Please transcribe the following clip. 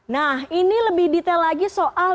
nah ini lebih detail lagi soal